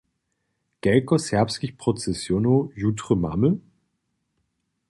Kelko serbskich procesionow jutry mamy?